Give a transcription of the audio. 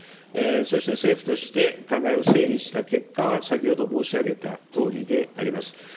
そして政府として考えを整理した結果は、先ほど申し上げたとおりであります。